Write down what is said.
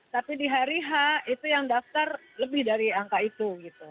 tapi di hari h itu yang daftar lebih dari angka itu gitu